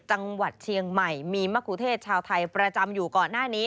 จังหวัดเชียงใหม่มีมะคุเทศชาวไทยประจำอยู่ก่อนหน้านี้